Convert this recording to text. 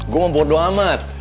gue gak bodoh amat